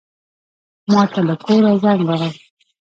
ماته له کوره زنګ راغی.